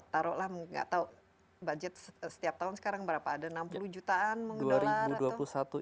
taruh lah gak tau budget setiap tahun sekarang berapa ada enam puluh jutaan dolar atau